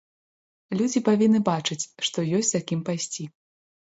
Людзі павінны бачыць, што ёсць за кім пайсці.